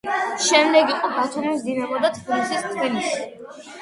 შემდეგ იყო ბათუმის „დინამო“ და თბილისის „თბილისი“.